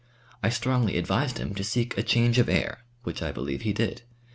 I strongly advised him to seek a change of air, which I believe he did.